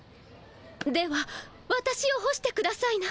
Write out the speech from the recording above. ではわたしを干してくださいな。